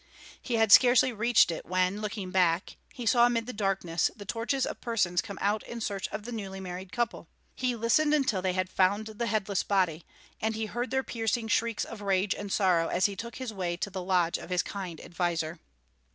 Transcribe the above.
He had scarcely reached it, when, looking back, he saw amid the darkness the torches of persons come out in search of the newly married couple. He listened until they had found the headless body, and he heard their piercing shrieks of rage and sorrow as he took his way to the lodge of his kind adviser.